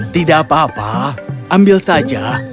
tidak apa apa ambil saja